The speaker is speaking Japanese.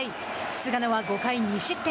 菅野は５回２失点。